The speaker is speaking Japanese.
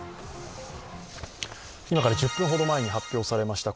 今から１０分ほど前に発表されました